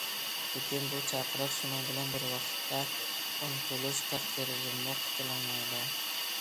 لېكىن بۇ چاقىرىق شۇنىڭ بىلەن بىر ۋاقىتتا ئۇنتۇلۇش تەقدىرىدىنمۇ قۇتۇلالمايدۇ.